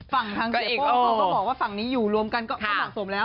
ฝั่งทางแก๊ปเขาก็บอกว่าฝั่งนี้อยู่รวมกันก็เหมาะสมแล้ว